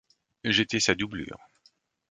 J'étais sa doublure.